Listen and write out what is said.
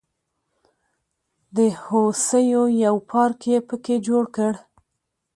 د هوسیو یو پارک یې په کې جوړ کړ.